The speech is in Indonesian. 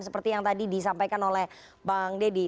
seperti yang tadi disampaikan oleh bang deddy